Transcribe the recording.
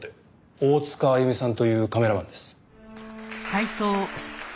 大塚あゆみさんというカメラマンです。